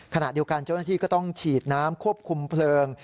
ขณะเดียวกันเจ้าหน้าที่ก็ต้องฉีดน้ำควบคุมเพลิง